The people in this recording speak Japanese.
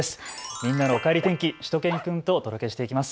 みんなのおかえり天気、しゅと犬くんとお届けしていきます。